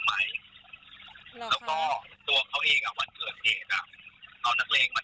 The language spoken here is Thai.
เขาไปบอกว่าคนตีสัมภีร์ที่ผล